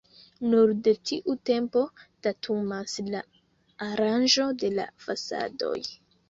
Nur de tiu tempo datumas la aranĝo de la fasadoj.